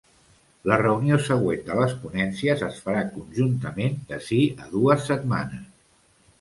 La reunió següent de les ponències es farà conjuntament d’ací a dues setmanes.